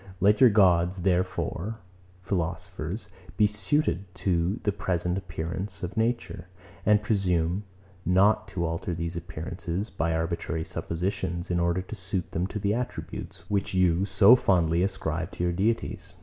Let your gods, therefore, O philosophers, be suited to the present appearances of nature: and presume not to alter these appearances by arbitrary suppositions, in order to suit them to the attributes, which you so fondly ascribe to your deities.